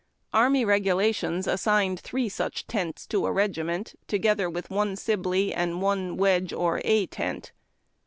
Army Regulations assigned three such tents to a regiment, together with one Sibley and one Wedge or A tent.